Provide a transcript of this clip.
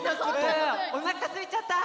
おなかすいちゃった！